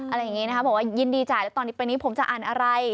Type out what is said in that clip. อะไรอย่างนี้นะคะบอกว่ายินดีจ่ายแล้วตอนนี้ไปนี้ผมจะอ่านอะไร